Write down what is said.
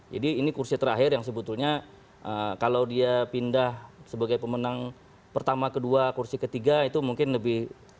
jadi ini kursi terakhir yang sebetulnya kalau dia pindah sebagai pemenang pertama kedua kursi ketiga itu mungkin lebih